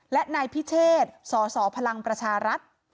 และนายพิเทศสสพพร